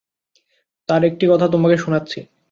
তার একটি কথা তোমাকে শুনাচ্ছি।